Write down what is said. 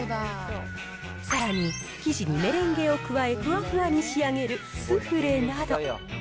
さらに、生地にメレンゲを加え、ふわふわに仕上げるスフレなど。